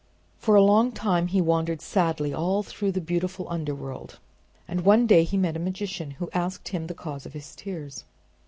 For a long time he wandered sadly all through the beautiful underworld, and one day he met a magician who asked him the cause of his tears.